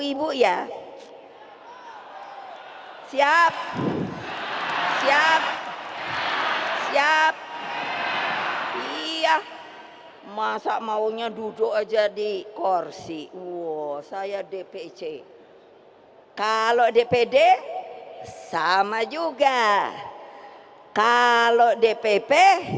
ibu ya siap siap siap iya masa maunya duduk aja di kursi wow saya dpc kalau dpd sama juga kalau dpp